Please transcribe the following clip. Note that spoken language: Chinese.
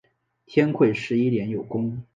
天会十一年有功。